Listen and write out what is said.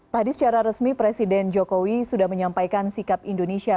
tadi secara resmi presiden jokowi sudah menyampaikan sikap indonesia